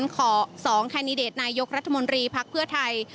ขอ๒แคนดิเดตนายกรัฐมนตรีพักเพื่อไทย